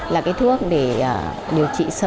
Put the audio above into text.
là thuốc để